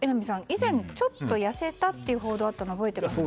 以前、ちょっと痩せたという報道があったの覚えていますか？